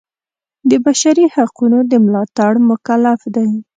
د بشري حقونو د ملاتړ مکلف دی.